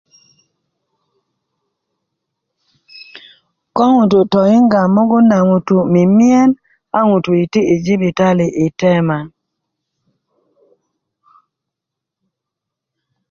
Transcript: ko ŋutu toyinga mugun na ŋutu mimiyen a ŋutu iti i jibitali i tema